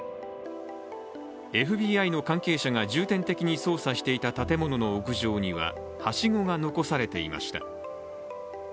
ＦＢＩの関係者が重点的に捜査していた建物の屋上にははしごが残されていました。